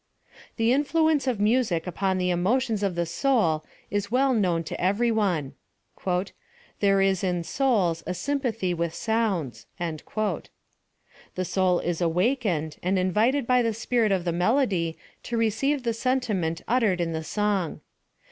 The influence of music upon the emotions of the soul is well known to every one —« There is in souls a sympathy with sounds" — The soul is awakened, and invited by the spirit of the melody to receive the sentiment uttered in the song.